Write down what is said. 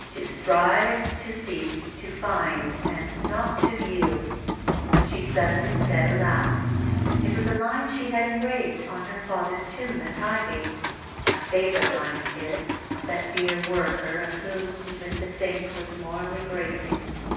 " To strive, to seek, to find, and not to yield," she suddenly said aloud. It was a line she had had engraved on her father's THE WOMAN IN THE 0LA88. 31? tomb at Highgate, a favourite line of his, of that dear worker of whom, even to think, was morally bracing.